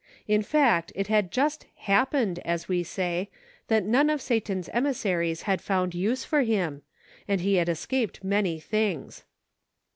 In fact, it had PRACTICING. 39 just " happened," as we say, that none of Satan's emissaries had found use for him, and he had escaped many things.